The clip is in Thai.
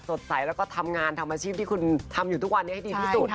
สดใสแล้วก็ทำงานทำอาชีพที่คุณทำอยู่ทุกวันนี้ให้ดีที่สุด